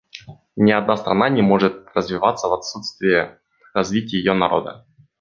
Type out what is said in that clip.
Ни одна страна не может развиваться в отсутствие развития ее народа.